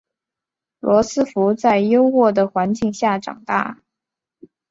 罗斯福在优渥的环境下长大。